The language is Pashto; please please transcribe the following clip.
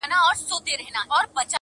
سره ورک یې کړل زامن وروڼه پلرونه؛